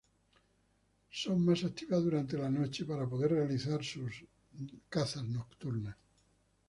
Son más activas durante la noche para poder realizar sus cazas nocturnas.